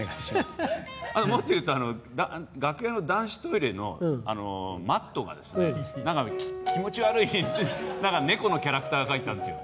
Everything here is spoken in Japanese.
もっと言うと、楽屋の男子トイレのマットがですね、なんか気持ち悪い、なんか猫のキャラクターが描いてあるんですよ。